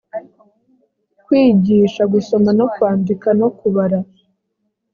kwigiisha gusoma no kwandika no kubara